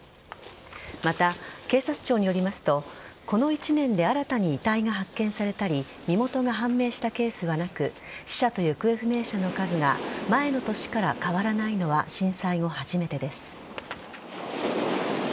また、警察庁によりますとこの１年で新たに遺体が発見されたり身元が判明したケースはなく死者と行方不明者の数が前の年から変わらないのは震災後、初めてです。